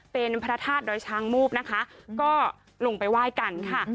เป็นพระธาตุดอยช้างมูบนะคะก็ลงไปไหว้กันค่ะ